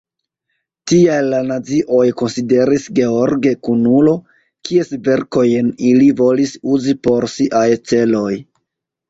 Tial la nazioj konsideris George kunulo, kies verkojn ili volis uzi por siaj celoj.